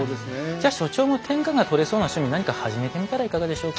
じゃあ所長も天下が取れそうな趣味何か始めてみたらいかがでしょうか。